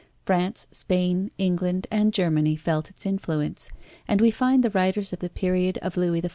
France, Spain, England, and Germany felt its influence, and we find the writers of the period of Louis XIV.